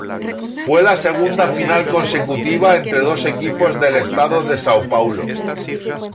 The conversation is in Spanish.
Fue la segunda final consecutiva entre dos equipos del Estado de São Paulo.